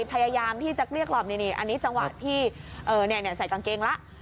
พยายามที่จะเกลี้ยกล่อมนี่อันนี้จังหวะที่ใส่กางเกงแล้ว